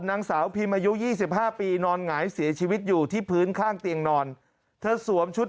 นางสาวพิมอายุ๒๕ปีนอนหงายเสียชีวิตอยู่ที่พื้นข้างเตียงนอนเธอสวมชุด